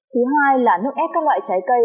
thứ hai là nước ép các loại trái cây